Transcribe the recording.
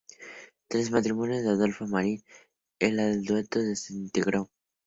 Tras el matrimonio de Adolfo Marín, el dueto se desintegró.